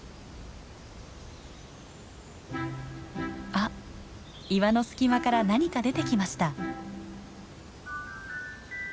あっ岩の隙間から何か出てきました。